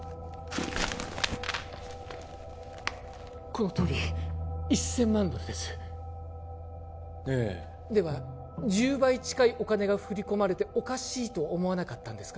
このとおり１千万ドルですええでは１０倍ちかいお金が振り込まれておかしいと思わなかったんですか？